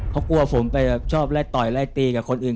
เพราะกลัวผมไปชอบไล่ต่อยไล่ตีกับคนอื่น